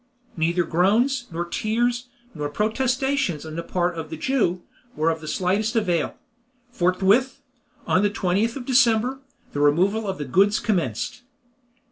Neither groans, nor tears, nor protestations on the part of the Jew, were of the slightest avail. Forthwith, on the 20th of December, the removal of the goods commenced.